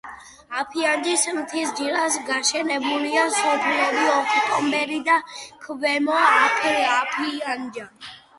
აფიანჩის მთის ძირას გაშენებულია სოფლები: ოქტომბერი და ქვემო აფიანჩა.